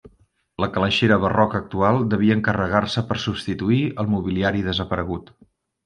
La calaixera barroca actual devia encarregar-se per substituir el mobiliari desaparegut.